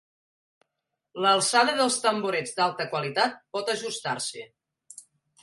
L'alçada dels tamborets d'alta qualitat pot ajustar-se.